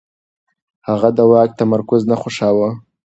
هغه د واک تمرکز نه خوښاوه.